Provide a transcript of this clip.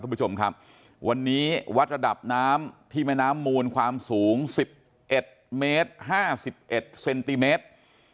คุณผู้ชมครับวันนี้วัดระดับน้ำที่แม่น้ำมูลความสูง๑๑เมตร๕๑เซนติเมตร